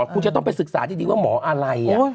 คุณจะต้องไปศึกษาดีว่าหมออะไร